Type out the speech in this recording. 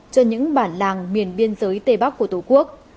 cho những bản làng miền biên giới tây bắc của tổ quốc